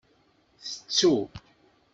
Tettu.